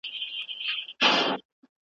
چي عقل نه لري هیڅ نه لري `